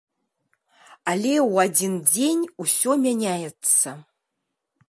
Але ў адзін дзень усё мяняецца.